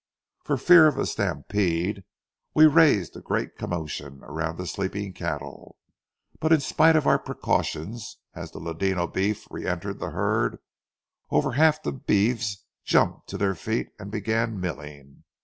For fear of a stampede, we raised a great commotion around the sleeping cattle; but in spite of our precaution, as the ladino beef reëntered the herd, over half the beeves jumped to their feet and began milling.